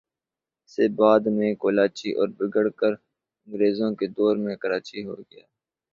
سے بعد میں کولاچی اور بگڑ کر انگریزوں کے دور میں کراچی ھو گئی